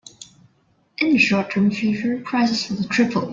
In the short term future, prices will triple.